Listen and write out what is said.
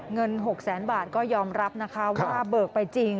เงิน๖แสนบาทก็ยอมรับนะคะว่าเบิกไปจริง